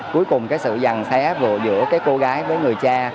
cuối cùng cái sự dần xé vừa giữa cái cô gái với người cha